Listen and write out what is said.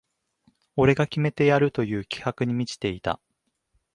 俺が決めてやるという気迫に満ちていた